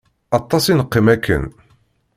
Aṭas i neqqim akken.